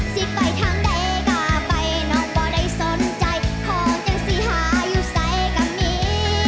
สิ่งไปทางใดก็ไปน้องบ่ได้สนใจของจงสี่หายุใสกับนี้